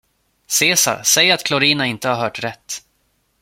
Cesar, säg att Klorina inte har hört rätt!